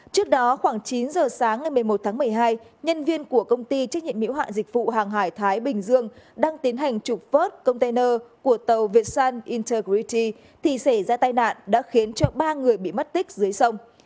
trước đó khoảng chín giờ sáng ngày một mươi một tháng một mươi hai nhân viên của công ty trách nhiệm miễu hạn dịch vụ hàng hải thái bình dương đang tiến hành trục vớt container của tàu vietsan intergrity thì xảy ra tai nạn đã khiến cho ba người bị mất tích dưới sông